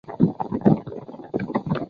雷神庙战斗被视为胶东抗战的第一枪。